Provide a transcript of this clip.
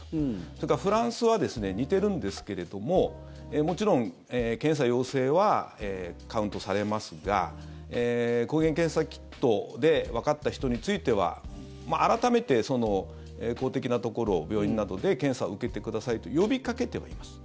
それからフランスは似てるんですけれどももちろん検査陽性はカウントされますが抗原検査キットでわかった人については改めて公的なところ、病院などで検査受けてくださいと呼びかけてはいます。